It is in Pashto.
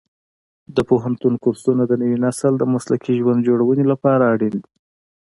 د پوهنتون کورسونه د نوي نسل د مسلکي ژوند جوړونې لپاره اړین دي.